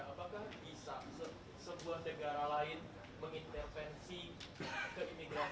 apakah bisa sebuah negara lain mengintervensi keimigrasian negara lainnya untuk mencegah seseorang pergi ke luar negeri